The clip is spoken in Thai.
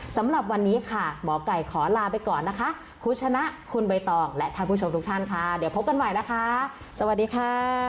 สำหรับวันนี้ค่ะหมอไก่ขอลาไปก่อนนะคะคุณชนะคุณใบตองและท่านผู้ชมทุกท่านค่ะเดี๋ยวพบกันใหม่นะคะสวัสดีค่ะ